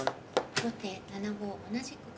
後手７五同じく角。